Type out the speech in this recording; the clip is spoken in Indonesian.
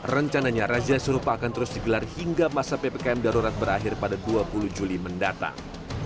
rencananya razia serupa akan terus digelar hingga masa ppkm darurat berakhir pada dua puluh juli mendatang